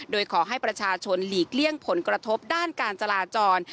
โดยขอให้ประชาชนหลีกเลี่ยงผลกระทบด้านการจราจร